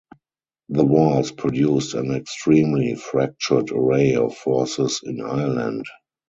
The wars produced an extremely fractured array of forces in Ireland.